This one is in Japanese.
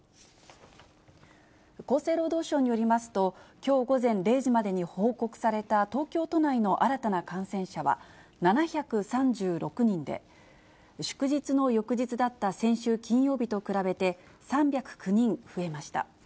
厚生労働省によりますと、きょう午前０時までに報告された東京都内の新たな感染者は７３６人で、祝日の翌日だった先週金曜日と比べて、３０９人増えました。